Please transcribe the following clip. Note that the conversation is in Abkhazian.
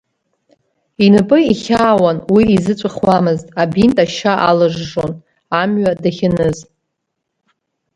Инапы ихьаауан, уи изыҵәахуамызт, абинт ашьа аалыжжон, амҩа дахьаныз.